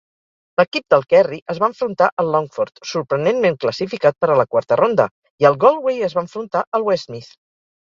L'equip del Kerry es va enfrontar al Longford, sorprenentment classificat per a la quarta ronda, i el Galway es va enfrontar al Westmeath.